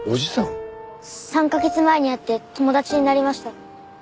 ３カ月前に会って友達になりました。